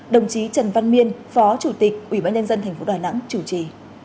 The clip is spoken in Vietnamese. đồng chí trần văn miên phó chủ tịch ubnd tp đà nẵng chủ trì